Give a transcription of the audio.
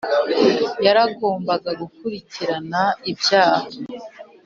yaragombaga gukurikirana ibyaha